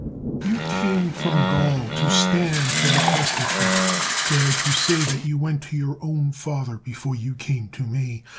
You came from Gaul to stand for the questor ship. Dare to say that you went to your own father before you came to me.